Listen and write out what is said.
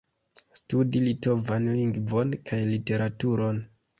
Studis litovan lingvon kaj literaturon.